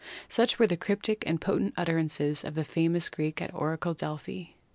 Such were the cryptic and potent utterances of the famous Greek oracle at Delphi.